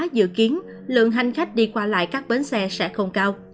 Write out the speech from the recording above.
dự kiến lượng hành khách đi qua lại các bến xe sẽ không cao